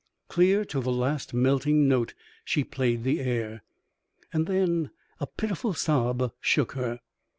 Clear to the last melting note she played the air, and then a pitiful sob shook her.